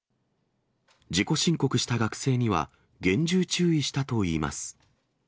自己申告した学生には、厳重注意したといいます。